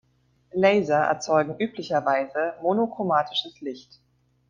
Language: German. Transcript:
Laser erzeugen üblicherweise monochromatisches Licht.